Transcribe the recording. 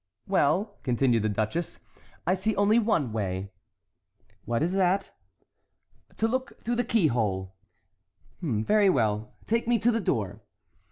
"Well," continued the duchess, "I see only one way." "What is that?" "To look through the keyhole." "Very well! take me to the door."